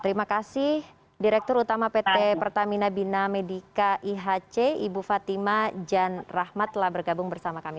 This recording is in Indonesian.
terima kasih direktur utama pt pertamina bina medica ihc ibu fatima jan rahmat telah bergabung bersama kami